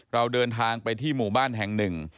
เราเดินทางไปที่หมู่บ้านแห่งหนึ่ง